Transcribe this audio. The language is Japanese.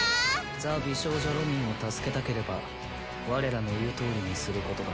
ザ・美少女ロミンを助けたければ我らのいうとおりにすることだ。